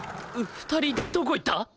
２人どこ行った！？